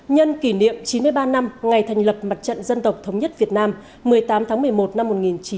nhân kỷ niệm chín mươi ba năm ngày thành lập mặt trận dân tộc thống nhất việt nam một mươi tám tháng một mươi một năm một nghìn chín trăm bảy mươi năm